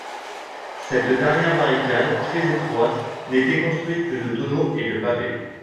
Cette dernière barricade, très étroite, n'était construite que de tonneaux et de pavés.